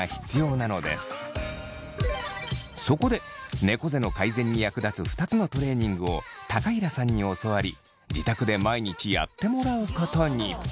そこでねこ背の改善に役立つ２つのトレーニングを高平さんに教わり自宅で毎日やってもらうことに。